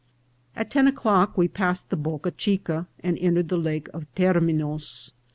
At ten o'clock we passed the Boca Chica and entered the Lake of Terminos.